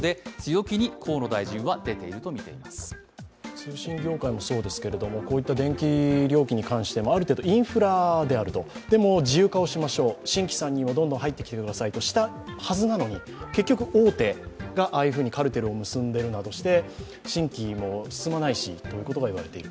通信業界もそうですけれども、こういった電気料金に関してある程度インフラであると、でも、自由化をしましょう、新規参入をどんどん入ってきてくださいとしたはずなのに結局、大手がああいうふうにカルテルを結んでいるなどして、新規も進まないと言われている。